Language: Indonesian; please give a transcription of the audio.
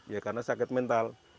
ya karena sakit mental